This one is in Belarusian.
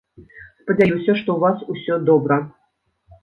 Спадзяюся, што ў вас усё добра.